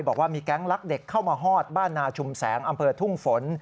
บอกว่ามีแก๊งลักเด็กเข้ามาฮอดบ้านนาชุมแสงอำเภอทุ่งฝน